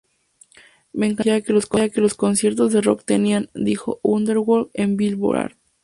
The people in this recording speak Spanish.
Me encantó la energía que los conciertos de rock tenían", dijo Underwood en "Billboard".